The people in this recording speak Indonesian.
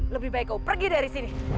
lebih baik kau pergi dari sini